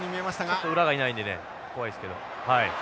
ちょっと裏がいないんでね怖いですけど。